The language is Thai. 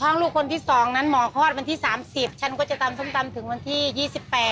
ท้องลูกคนที่สองนั้นหมอคลอดวันที่สามสิบฉันก็จะทำซ้มตำถึงวันที่ยี่สิบแปด